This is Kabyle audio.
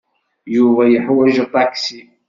Yuba yeḥwaj aṭaksi.